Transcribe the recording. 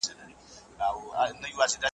په لمنو کي د غرونو بس جونګړه کړو ودانه .